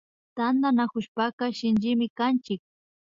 Tantanakushpaka Shinchimi kanchik